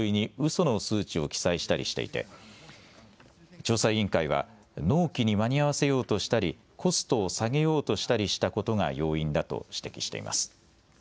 その数値を記載したりしていて調査委員会は納期に間に合わせようとしたりコストを下げようとしたりしたことが要因だと指摘しています。